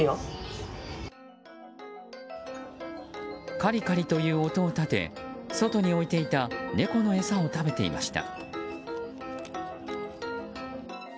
カリカリという音を立て外に置いていた猫の餌を食べていました。